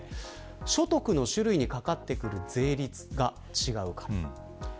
所得の種類にかかってくる税率が違うから。